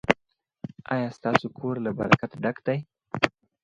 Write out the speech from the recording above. ایا ستاسو کور له برکت ډک دی؟